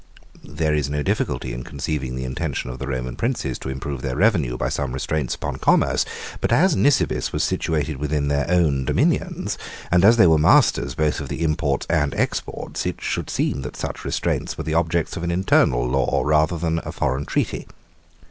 There is no difficulty in conceiving the intention of the Roman princes to improve their revenue by some restraints upon commerce; but as Nisibis was situated within their own dominions, and as they were masters both of the imports and exports, it should seem that such restraints were the objects of an internal law, rather than of a foreign treaty.